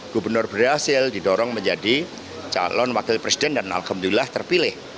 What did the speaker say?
gubernur berhasil didorong menjadi calon wakil presiden dan alhamdulillah terpilih